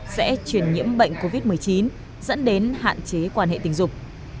sẽ chuyển nhiễm bệnh covid một mươi chín dẫn đến hạn chế quan hệ tình dục